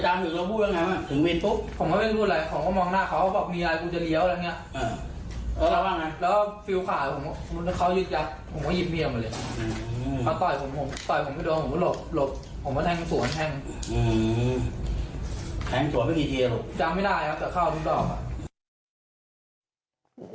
จ้างไม่ได้ครับจะเข้าทุกรอบ